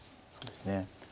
そうですね。